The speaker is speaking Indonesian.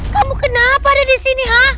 kamu kenapa ada di sini